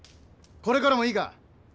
これからもいいか。